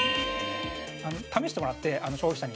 試してもらって、消費者に。